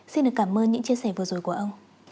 xin được cảm ơn những chia sẻ vừa rồi của ông